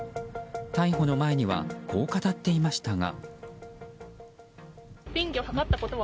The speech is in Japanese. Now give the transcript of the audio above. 逮捕の前にはこう語っていましたが。